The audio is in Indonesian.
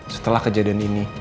setelah kejadian ini